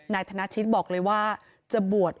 นายธนชิตบอกเลยว่า